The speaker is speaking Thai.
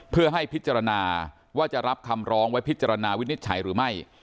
เพื่อให้พิจารณาว่าจะรับคำร้องไว้พิจารณาวินิจฉัยหรือไม่